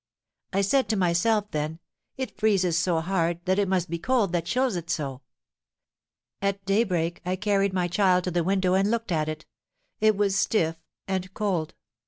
I said to myself then; 'It freezes so hard that it must be the cold that chills it so.' At daybreak I carried my child to the window and looked at it; it was stiff and cold.